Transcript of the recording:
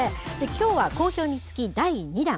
きょうは好評につき、第２弾。